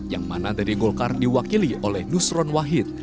yang mana dari golkar diwakili oleh nusron wahid